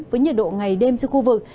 với nhiệt độ ngày đêm trên khu vực